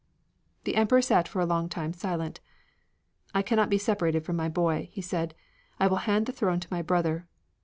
The Emperor sat for a long time silent. "I cannot be separated from my boy," he said. "I will hand the throne to my brother."